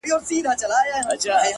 يو زرو اوه واري مي ښكل كړلې ـ